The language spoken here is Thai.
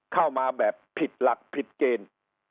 เข้ามาแบบผิดหลักผิดเกณฑ์